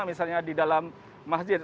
misalnya di dalam masjid